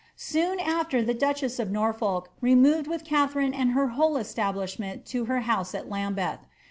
* Soon after the duchess of Norfolk removed with Katharine and her whole establish ment to her house at LAmbeth.